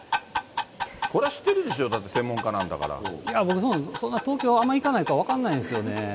これは知ってるでしょ、いや、僕、そんなん、東京あんま行かないから、分かんないんですよね。